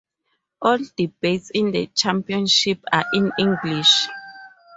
All debates in the championship are in English.